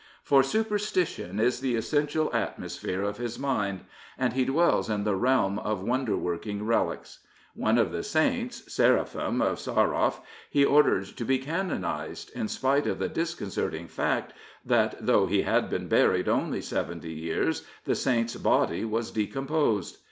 For superstition is the essential atmosphere of his mind, and he dwells in the realm of wonder working relics. One of the saints, Seraphim of Saroff, he ordered to be canonised, in spite of the disconcerting fact that though he had been buried only seventy years the saint's body was decomposed.